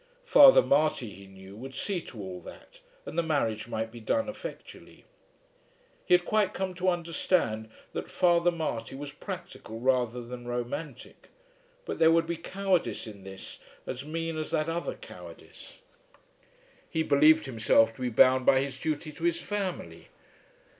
Father Marty, he knew, would see to all that, and the marriage might be done effectually. He had quite come to understand that Father Marty was practical rather than romantic. But there would be cowardice in this as mean as that other cowardice. He believed himself to be bound by his duty to his family.